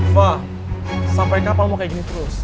fah sampai kapan lo mau kayak gini terus